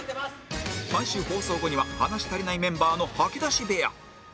毎週放送後には話し足りないメンバーの吐き出し部屋